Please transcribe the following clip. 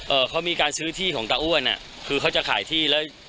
เขามีการซื้อที่ของตาอ้วนอ่ะคือเขาจะขายที่แล้ว